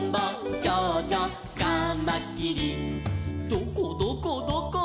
「どこどこどこ？」